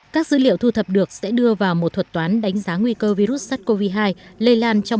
các dữ liệu thu thập được sẽ đưa vào một thuật toán đánh giá nguy cơ virus sars cov hai lây lan trong